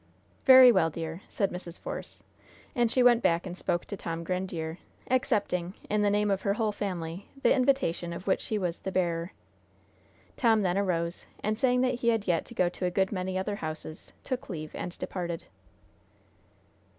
"Very well, dear," said Mrs. Force. And she went back and spoke to Tom Grandiere, accepting, in the name of her whole family, the invitation of which he was the bearer. Tom then arose, and, saying that he had yet to go to a good many other houses, took leave and departed.